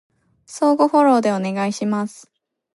相互フォローでお願いします